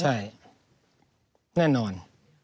ใช่แน่นอน